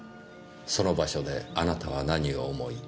「その場所であなたは何を思い